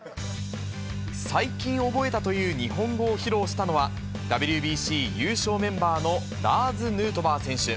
最近覚えたという日本語を披露したのは、ＷＢＣ優勝メンバーのラーズ・ヌートバー選手。